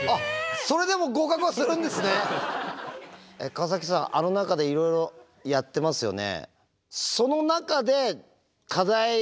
川崎さんあの中でいろいろやってますよね？